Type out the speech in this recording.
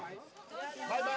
バイバイ！